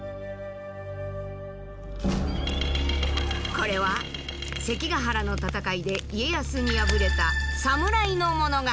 これは関ヶ原の戦いで家康に敗れた侍の物語。